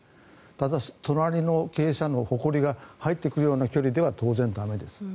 ただし、隣の鶏舎のほこりが入ってくるような距離では当然駄目です。